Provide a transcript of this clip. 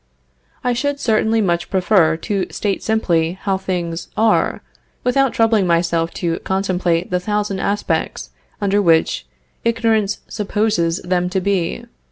I should certainly much prefer to state simply how things are, without troubling myself to contemplate the thousand aspects under which ignorance supposes them to be....